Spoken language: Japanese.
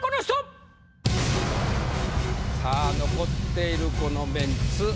さぁ残っているこのメンツ。